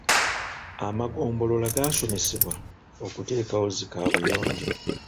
Amagombolola gaasomesebwa okuteekawo zi kaabuyonjo.